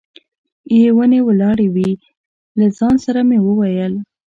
یې ونې ولاړې وې، له ځان سره مې وویل.